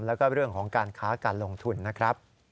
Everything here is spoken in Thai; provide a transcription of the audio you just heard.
แล้วก็เรื่องของการค้าการลงทุนนะครับ